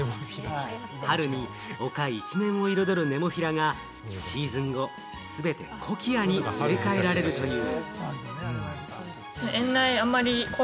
春に丘一面を彩るネモフィラが、シーズン後、全てコキアに植え替えられるという。